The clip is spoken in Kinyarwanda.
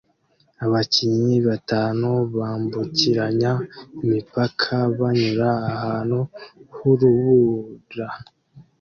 Abakinnyi batanu bambukiranya imipaka banyura ahantu h'urubura